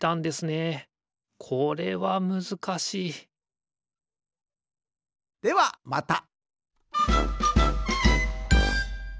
これはむずかしいではまた！